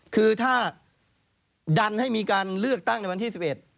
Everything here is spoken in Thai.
คือถ้าดันให้มีการเลือกตั้งในวันที่๑๑